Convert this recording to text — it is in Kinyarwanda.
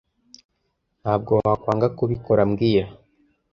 Ntabwo wakwanga kubikora mbwira